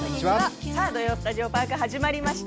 「土曜スタジオパーク」始まりました。